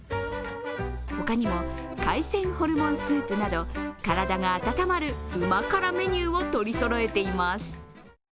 他にも海鮮ホルモンスープなど体が温まる旨辛メニューを取りそろえています。